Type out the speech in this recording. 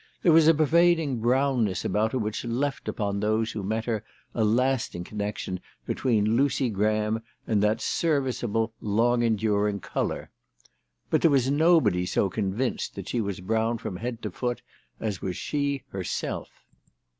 There was a pervading brownness about her which left upon those who met her a lasting connection between Lucy Graham and that serviceable, long enduring colour. But there was nobody so convinced that she was brown from head to foot as was she herself.